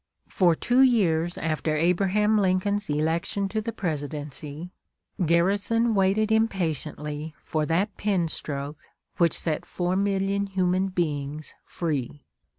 For two years after Abraham Lincoln's election to the Presidency, Garrison waited impatiently for that pen stroke which set four million human beings free.